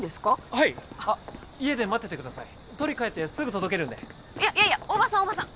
はい家で待っててください取り帰ってすぐ届けるんでいやいやいや大庭さん大庭さん